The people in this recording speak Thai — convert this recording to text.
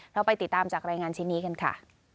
เราไปติดตามจากรายงานชิ้นนี้กันค่ะ